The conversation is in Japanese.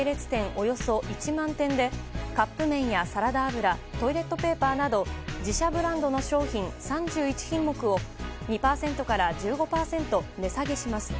およそ１万店でカップ麺やサラダ油トイレットペーパーなど自社ブランドの商品３１品目を２％から１５％値下げします。